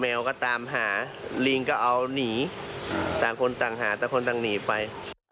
แมวก็ตามหาลิงก็เอาหนีต่างคนต่างหาต่างคนต่างหนีไป